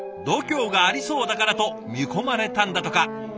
度胸がありそうだからと見込まれたんだとか。